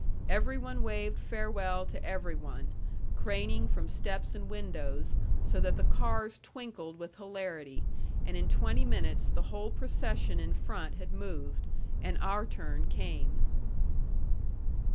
Every one waved farewell to every one, craning from steps and windows, so that the cars twinkled with hilarity; and in twenty minutes the whole procession in front had moved, and our turn came.